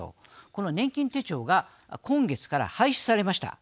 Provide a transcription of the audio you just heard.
この年金手帳が今月から廃止されました。